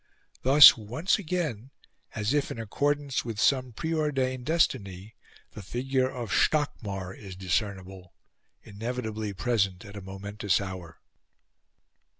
Thus, once again, as if in accordance with some preordained destiny, the figure of Stockmar is discernible inevitably present at a momentous hour.